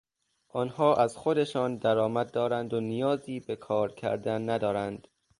آنها از خودشان درآمد دارند و نیازی به کار کردن ندارند.